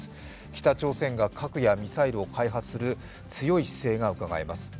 北朝鮮が核やミサイルを開発する強い姿勢がうかがえます。